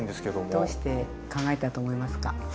どうして考えたと思いますか？